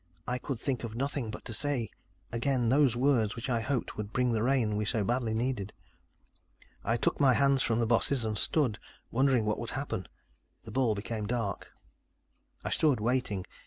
I could think of nothing but to say again those words which I hoped would bring the rain we so badly needed. I took my hands from the bosses and stood, wondering what would happen. The ball became dark. "I stood, waiting.